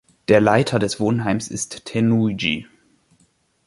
Der Leiter des Wohnheims ist Tennouji.